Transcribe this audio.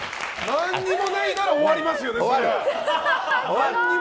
何もないなら終わりますよね。